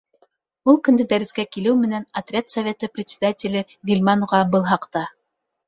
Ул көндө дәрескә килеү менән, отряд советы председателе Ғилман уға был хаҡта: